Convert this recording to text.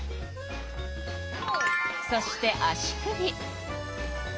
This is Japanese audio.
そして足首。